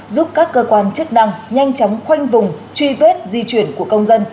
giúp các cơ quan chức năng nhanh chóng khoanh vùng truy vết di chuyển của công dân